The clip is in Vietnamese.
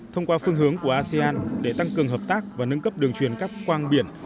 thông qua phương hướng của asean để tăng cường hợp tác và nâng cấp đường truyền các quang biển